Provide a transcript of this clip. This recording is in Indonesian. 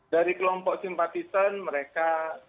dari kelompok simpatisan mereka